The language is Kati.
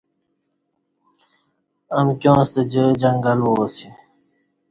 امکیاں ستہ جائی جنگل وا اسی۔